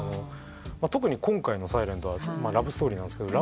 特に今回の『ｓｉｌｅｎｔ』はラブストーリーなんですけど。